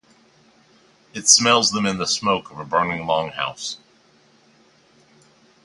It smells them in the smoke of a burning longhouse.